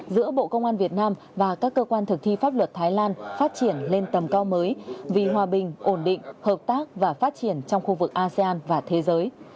giữa bộ công an việt nam và các cơ quan thực thi pháp luật thái lan phát triển lên tầm cao mới vì hòa bình ổn định hợp tác và phát triển trong khu vực asean và thế giới